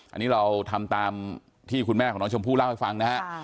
อันนี้เราทำตามที่คุณแม่ของน้องชมพู่เล่าให้ฟังนะฮะ